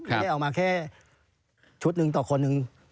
ไม่ได้เอามาแค่ชุดหนึ่งต่อคนหนึ่ง